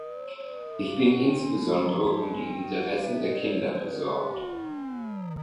Ich bin insbesondere um die Interessen der Kinder besorgt.